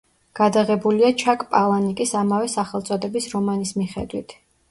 გადაღებულია ჩაკ პალანიკის ამავე სახელწოდების რომანის მიხედვით.